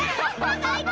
最高！